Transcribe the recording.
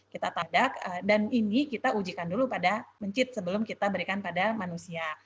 kita tadak dan ini kita ujikan dulu pada mencit sebelum kita berikan pada manusia